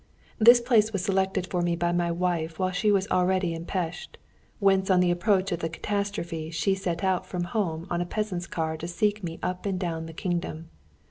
This place was selected for me by my wife while she was already in Pest, whence on the approach of the catastrophe she set out from home on a peasant's car to seek me up and down the kingdom.